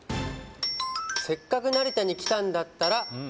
「せっかく成田に来たんだったら」